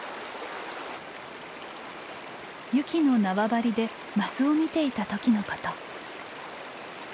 ユキの縄張りでマスを見ていた時のこと。